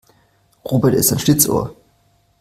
Robert ist ein Schlitzohr.